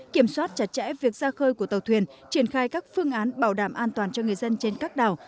kiểm soát chặt chẽ việc ra khơi của tàu thuyền triển khai các phương án bảo đảm an toàn cho người dân trên các đảo